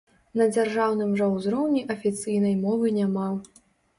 На дзяржаўным жа ўзроўні афіцыйнай мовы няма.